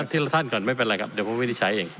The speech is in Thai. ทีละท่านก่อนไม่เป็นไรครับเดี๋ยวผมไม่ได้ใช้เอง